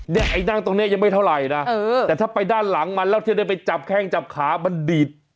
ไอ้นั่งตรงนี้ยังไม่เท่าไหร่นะแต่ถ้าไปด้านหลังมันแล้วเธอได้ไปจับแข้งจับขามันดีด